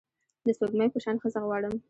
د سپوږمۍ په شان ښځه غواړم